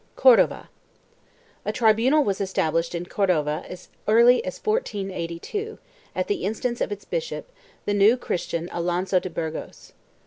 4 CORDOVA. A tribunal was established in Cordova as early as 1482 r at the instance of its bishop, the New Christian Alonso de Burgos.